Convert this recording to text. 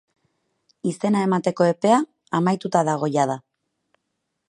Izena emateko epea amaituta dago jada.